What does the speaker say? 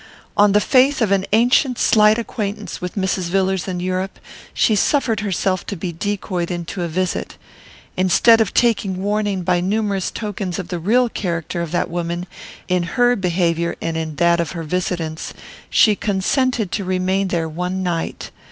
On the faith of an ancient slight acquaintance with Mrs. Villars in Europe, she suffered herself to be decoyed into a visit. Instead of taking warning by numerous tokens of the real character of that woman, in her behaviour and in that of her visitants, she consented to remain there one night.